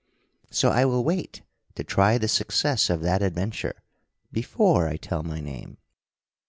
So I will wait to try the success of that adventure before I tell my name.